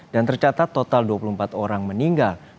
dan tercatat total dua puluh empat orang meninggal